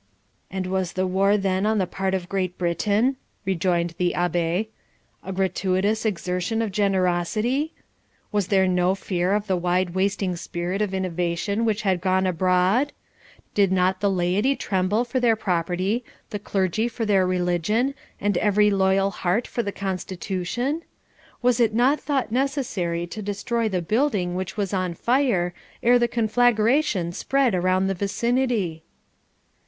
'And was the war then on the part of Great Britain,' rejoined the Abbe, 'a gratuitous exertion of generosity? Was there no fear of the wide wasting spirit of innovation which had gone abroad? Did not the laity tremble for their property, the clergy for their religion, and every loyal heart for the Constitution? Was it not thought necessary to destroy the building which was on fire, ere the conflagration spread around the vicinity?'